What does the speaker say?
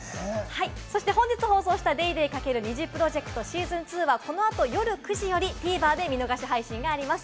そして本日放送した『ＤａｙＤａｙ．×ＮｉｚｉＰｒｏｊｅｃｔＳｅａｓｏｎ２』はこのあと夜９時よりＴＶｅｒで見逃し配信があります。